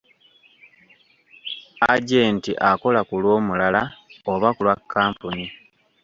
Agenti akola ku lw'omulala oba ku lwa kkampuni.